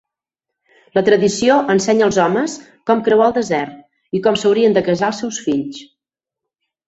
La tradició ensenya als homes com creuar el desert, i com s'haurien de casar els seus fills.